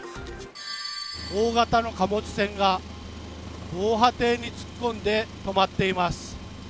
大型の貨物船が防波堤に突っ込んで止まっています